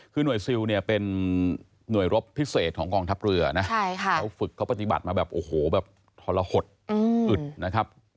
คือน่วยซิลเนี่ยเป็นหน่วยรถพิเศษของกองทัพเรือนะคะเขาปฏิบัติมาแบบโทรหศอืดนะครับ